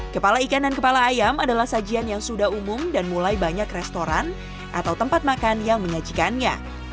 kepala ikan dan kepala ayam adalah sajian yang sudah umum dan mulai banyak restoran atau tempat makan yang menyajikannya